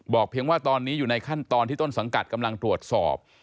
เพียงว่าตอนนี้อยู่ในขั้นตอนที่ต้นสังกัดกำลังตรวจสอบ